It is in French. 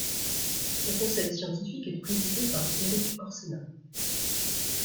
Son conseil scientifique est présidé par Erik Orsenna.